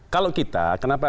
kalau kita kenapa itu